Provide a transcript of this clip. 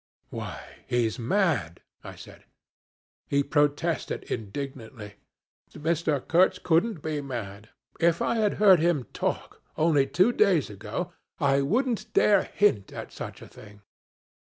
'Why! he's mad,' I said. He protested indignantly. Mr. Kurtz couldn't be mad. If I had heard him talk, only two days ago, I wouldn't dare hint at such a thing.